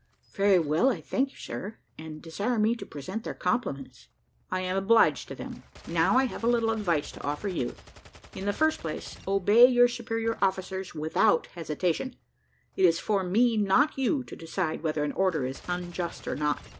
"Very well, I thank you, sir, and desire me to present their compliments." "I am obliged to them. Now I have a little advice to offer you. In the first place, obey your superior officers without hesitation; it is for me, not you, to decide whether an order is unjust or not.